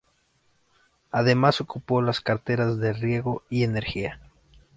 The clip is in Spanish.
Además ocupó las carteras de Riego y Energía.